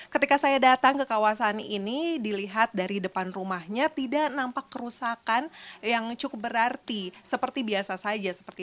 ketika saya datang ke kawasan ini dilihat dari depan rumahnya tidak nampak kerusakan yang cukup berarti seperti biasa saja